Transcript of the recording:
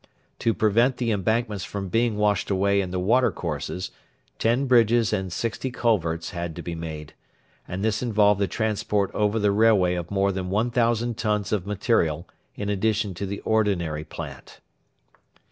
To prevent the embankments from being washed away in the watercourses, ten bridges and sixty culverts had to be made; and this involved the transport over the railway of more than 1,000 tons of material in addition to the ordinary plant.